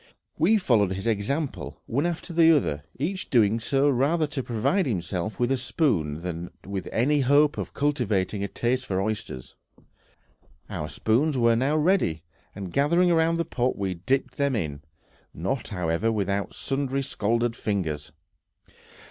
We followed his example, one after the other, each doing so rather to provide himself with a spoon than with any hope of cultivating a taste for oysters. Our spoons were now ready, and gathering round the pot we dipped them in, not, however, without sundry scalded fingers.